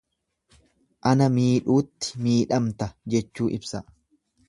Ana miidhuutti midhamta jechuu ibsa.